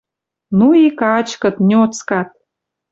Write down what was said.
Ну и качкыт, ньоцкат.